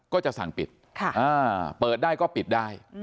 ก็จะสั่งปิดเปิดได้ก็ปิดได้